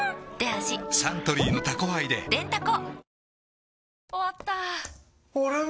サントリーの「タコハイ」ででんタコ